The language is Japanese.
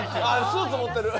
「スーツ持ってる。